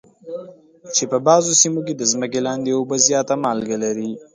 چې په بعضو سیمو کې د ځمکې لاندې اوبه زیاته مالګه لري.